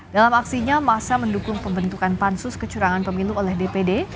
dalam aksinya masa mendukung pembentukan pansus kecurangan pemilu oleh dpd